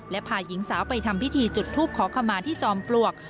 และพาหญิงสาวไปทำพิธีจุดทูปขอขมาที่จอมปลวก